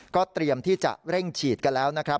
เตรียมที่จะเร่งฉีดกันแล้วนะครับ